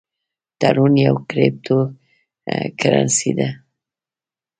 ټرون یوه کریپټو کرنسي ده